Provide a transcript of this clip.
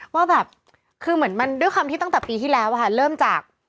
ด้วยความที่ตั้งแต่ปีที่แล้วเริ่มจาก